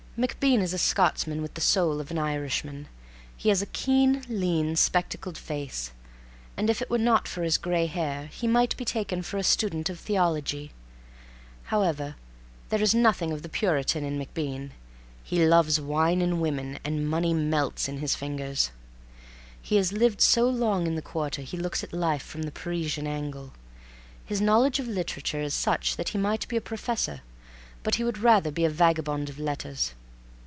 MacBean is a Scotsman with the soul of an Irishman. He has a keen, lean, spectacled face, and if it were not for his gray hair he might be taken for a student of theology. However, there is nothing of the Puritan in MacBean. He loves wine and women, and money melts in his fingers. He has lived so long in the Quarter he looks at life from the Parisian angle. His knowledge of literature is such that he might be a Professor, but he would rather be a vagabond of letters.